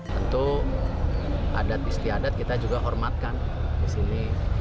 tentu adat istiadat kita juga hormatkan di sini